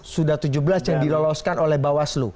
sudah tujuh belas yang diloloskan oleh bawaslu